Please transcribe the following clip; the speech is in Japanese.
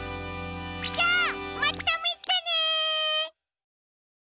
じゃあまたみてね！